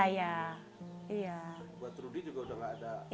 buat rudy juga udah nggak ada